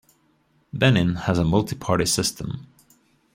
Benin has a multi-party system.